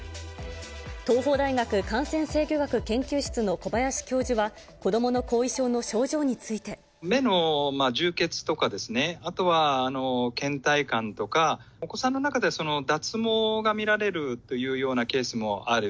東邦大学感染制御学研究室の小林教授は、子どもの後遺症の症状に目の充血とか、あとはけん怠感とか、お子さんの中では脱毛が見られるというようなケースもある。